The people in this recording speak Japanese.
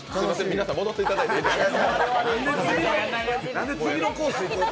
皆さん戻っていただいていいですよ。